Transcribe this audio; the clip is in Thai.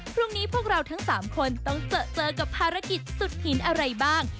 พวกเราทั้ง๓คนต้องเจอกับภารกิจสุดหินอะไรบ้าง